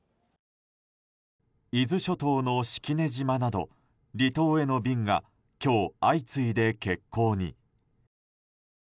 伊豆諸島の式根島など離島への便が今日、相次いで欠航に。